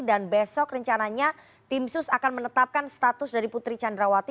dan besok rencananya tim sus akan menetapkan status dari putri sandrawati